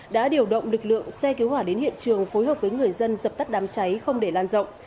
đã điều động lực lượng xe cứu hỏa đến hiện trường phối hợp với người dân dập tắt đám cháy không để lan rộng